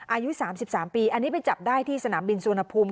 อายุสามสิบสามปีอันนี้ไปจับได้ที่สนามบินสวนภูมิ